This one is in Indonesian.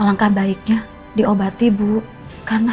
alangkah baiknya diobati bu karena harapan ibu itu berbahaya